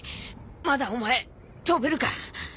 まだお前飛べるか？